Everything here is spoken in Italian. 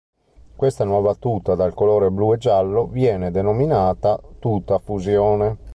Questa nuova tuta dal colore blu e giallo viene denominata Tuta Fusione.